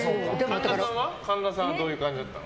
神田さんはどういう感じだったの？